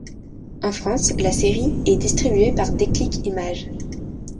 En France, la série est distribuée par Déclic Images.